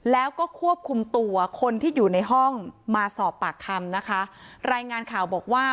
แล้วก็ควบคุมตัวคนที่อยู่ในห้องมาสอบปากคำนะคะรายงานข่าวบอกว่า